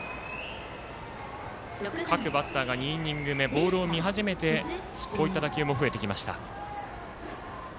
各バッターが２イニング目、ボールを見始めてこういった打球も増えてきました。